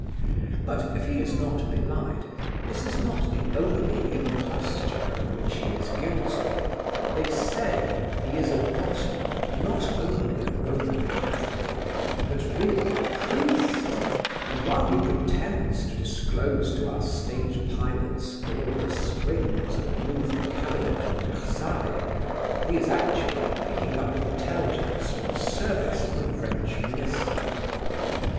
But, if he is not belied, this is not the only imposture of which he is guilty They say, he is at bottom not only a Roman catholic, but really a priest; and while he pretends to disclose to our state pilots all the springs that move the cabinet of Versailles, he is actually picking up intelligence for the service of the French minister.